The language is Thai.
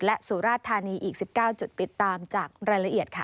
และสุราธานีอีก๑๙จุดติดตามจากรายละเอียดค่ะ